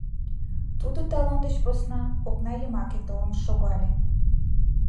Тудо талон деч посна окна йымаке толын шогале.